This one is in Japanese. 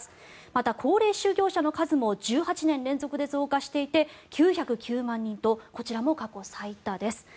また、高齢就業者の数も１８年連続で増加していて９０９万人とこちらも過去最多です。